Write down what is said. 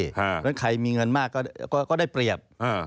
เข้ายังไงมีเงินมากก็ได้เปรียบ